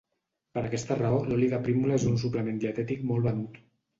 Per aquesta raó l'oli de prímula és un suplement dietètic molt venut.